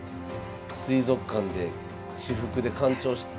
水族館で私服で観光してる。